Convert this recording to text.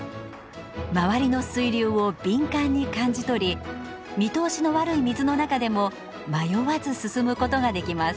周りの水流を敏感に感じ取り見通しの悪い水の中でも迷わず進むことができます。